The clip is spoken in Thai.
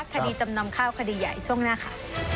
จำนำข้าวคดีใหญ่ช่วงหน้าค่ะ